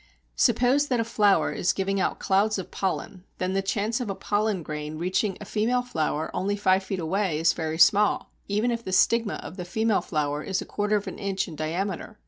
Suppose that a flower is giving out clouds of pollen, then the chance of a pollen grain reaching a female flower only five feet away is very small, even if the stigma of the female flower is a quarter of an inch in diameter.